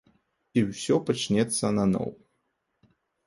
І ўсё пачнецца наноў.